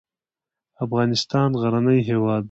افغانستان غرنی هېواد دی.